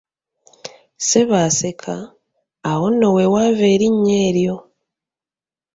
Ssebo aseka, awo nno weewava erinnya eryo.